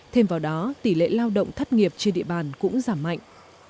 thêm vào đó tỷ lệ lao động thất nghiệp trên địa bàn cũng giảm mạnh